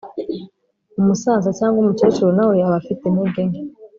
umusaza cyangwa umukecuru na we aba afite intege nke